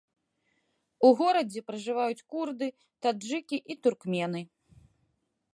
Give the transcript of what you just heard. У горадзе пражываюць курды, таджыкі і туркмены.